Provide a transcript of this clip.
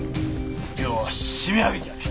よーし締め上げてやる！